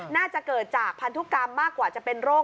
น่าจะเกิดจากพันธุกรรมมากกว่าจะเป็นโรค